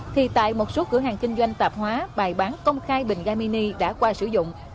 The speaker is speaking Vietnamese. thì tại một số cửa hàng kinh doanh tạp hóa bày bán công khai bình ga mini đã qua sử dụng